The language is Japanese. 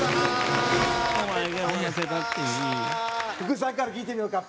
福地さんから聞いてみようか。